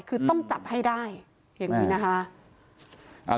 คือต้องจับให้ได้อย่างนี้นะคะ